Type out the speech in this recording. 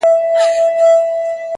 ویل ګوره چي ګنجی سر دي نیولی-